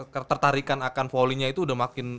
ketertarikan akan volleynya itu udah makin